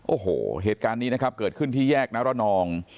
โอ้โหเหตุการณ์นี้นะครับเกิดขึ้นที่แยกนรนอง